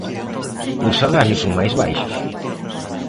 Os salarios son máis baixos.